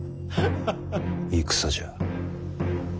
戦じゃ。